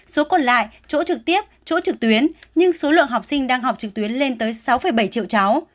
số còn lại chỗ trực tiếp chỗ trực tuyến nhưng số lượng học sinh đang học trực tuyến lên tới sáu bảy triệu cháu